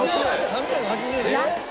３８０円？